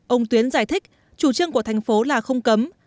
ông tuyến giải thích chủ trương của thành phố là không cấm